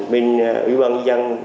bên ủy ban nhân dân